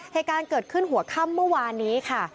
เหตุการณ์เกิดขึ้นหัวค่ำเมื่อวานนี้ค่ะ